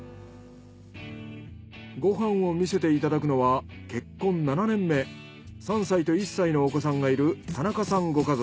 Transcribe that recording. ご飯を見せていただくのは結婚７年目３歳と１歳のお子さんがいる田中さんご家族。